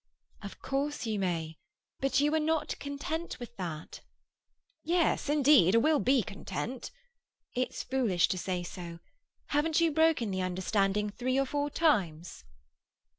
"Of course you may—but you are not content with that." "Yes—indeed—I will be content—" "It's foolish to say so. Haven't you broken the understanding three or four times?"